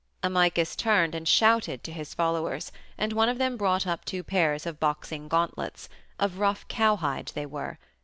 Amycus turned and shouted to his followers, and one of them brought up two pairs of boxing gauntlets of rough cowhide they were.